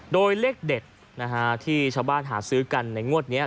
โดยเลขเด็ดที่ชาวบ้านหาซื้อกันในงวดนี้